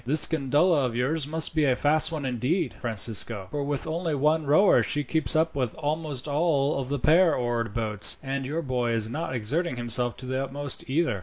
"This gondola of yours must be a fast one indeed, Francisco, for with only one rower she keeps up with almost all the pair oared boats, and your boy is not exerting himself to the utmost, either."